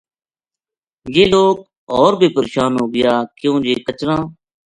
یہ لوک ہور بے پریشان ہو گیا کیوں جے کچراں